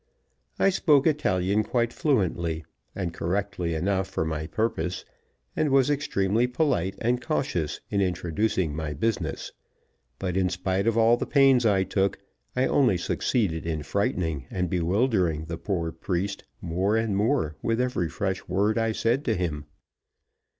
I spoke Italian quite fluently, and correctly enough for my purpose, and was extremely polite and cautious in introducing my business, but in spite of all the pains I took, I only succeeded in frightening and bewildering the poor priest more and more with every fresh word I said to him.